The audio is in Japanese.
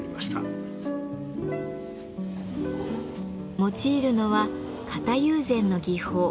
用いるのは型友禅の技法。